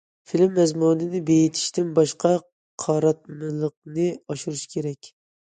فىلىم مەزمۇنىنى بېيىتىشتىن باشقا، قاراتمىلىقنى ئاشۇرۇش كېرەك.